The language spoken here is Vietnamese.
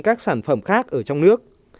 các sản phẩm khác ở trong nước